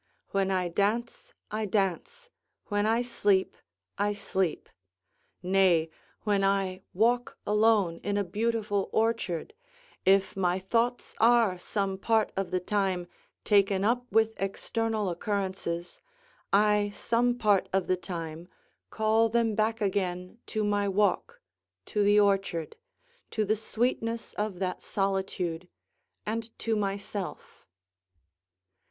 When I dance, I dance; when I sleep, I sleep. Nay, when I walk alone in a beautiful orchard, if my thoughts are some part of the time taken up with external occurrences, I some part of the time call them back again to my walk, to the orchard, to the sweetness of that solitude, and to myself.